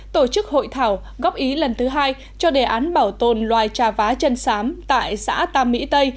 tổ chức hội thảo góp ý lần thứ hai cho đề án bảo tồn loài trà vá chân sám tại xã tam mỹ tây